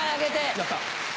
やった！